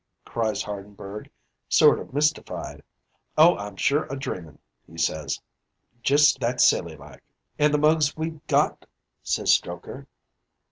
cries Hardenberg, sort of mystified, 'Oh, I'm sure a dreamin'! he says, just that silly like. "'An' the mugs we've got!' says Strokher.